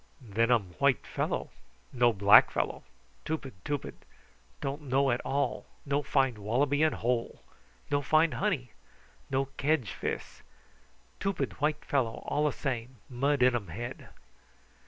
"Then um white fellow. No black fellow. Tupid tupid. Don't know at all. No find wallaby in hole. No find honey. No kedge fis. Tupid white fellow all a same, mud in um head."